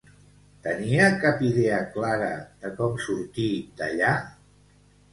Tenien cap idea clara de com sortir d'allà?